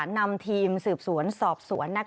นำทีมสืบสวนสอบสวน